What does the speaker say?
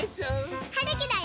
はるきだよ。